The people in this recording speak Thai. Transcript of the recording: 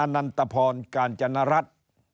นันตพรกาญจนรัฐ